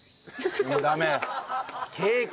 もうダメ？